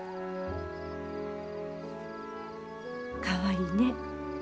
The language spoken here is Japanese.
かわいいね。